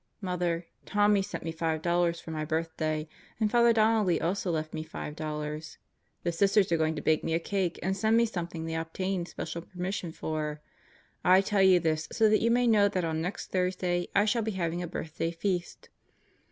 Mother, "Tommie" sent me $5 for my birthday, and Father Don nelly also left me $5. The Sisters are going to bake me a cake and send me something they obtained special permission for. I tell you this so that you may know that on next Thursday I shall be having a birthday feast.